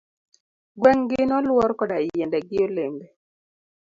Gweng' gi noluor koda yiende gi olembe.